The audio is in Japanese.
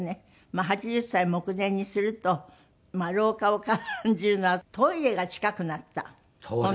まあ８０歳目前にすると老化を感じるのはトイレが近くなった。